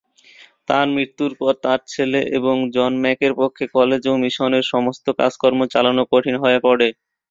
তার মৃত্যুর পর তার ছেলে এবং জন ম্যাকের পক্ষে কলেজ ও মিশনের সমস্ত কাজকর্ম চালানো কঠিন হয়ে পড়ে।